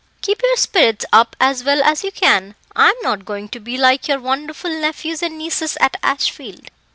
"Keep your spirits up as well as you can; I am not going to be like your wonderful nephews and nieces at Ashfield.